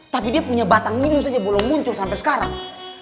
tapi dia punya batang ini saja belum muncul sampai sekarang